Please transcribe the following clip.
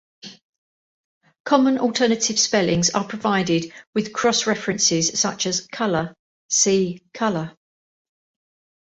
Common alternative spellings are provided with cross-references such as "Color: "see" Colour.